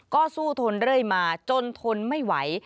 ก็สู้ทนเรื่อยมาจนทนไม่ไหว